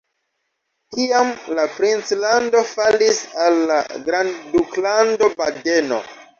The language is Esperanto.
Tiam la princlando falis al la Grandduklando Badeno.